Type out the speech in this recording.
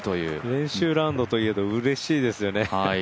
練習ラウンドといえどうれしいですよね。